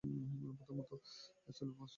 প্রথমত স্থূল বস্তু লইয়া ধ্যান করিতে হইবে।